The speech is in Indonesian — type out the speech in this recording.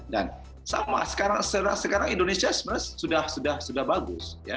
dan sama sekarang indonesia sudah bagus